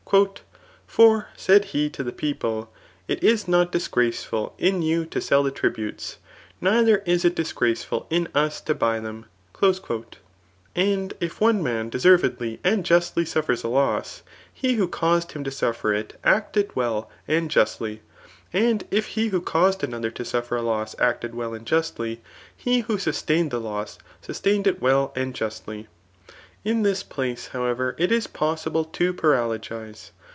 '^ For, said he [to the people,] if it is not disgraceful in you to sell the tributes, neither is it disgraceful in us to buy them." And, if one man desenredly and justly suffers a I0SS5 he who caused him to suffer it, acted well and justly. And if he who caused another to suffer a Iocs acted well and justly, he who sustained the loss, sus tained it well and justly. In this place, however, it is possible to paralogize.